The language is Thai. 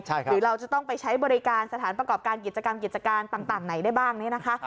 หรือเราจะต้องไปใช้บริการสถานประกอบการกิจกรรมกิจการต่างไหนได้บ้างเนี่ยนะคะ